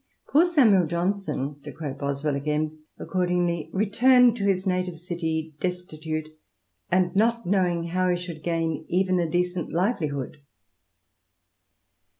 " Poor Samuel Johnson "— ^to quote Boswell again — accordingly "returned to his native city, destitute, and not knowing how he should gain even a decent livelihood."